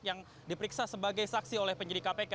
yang diperiksa sebagai saksi oleh penyidik kpk